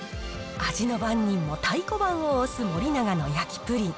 味の番人も太鼓判を押す森永の焼プリン。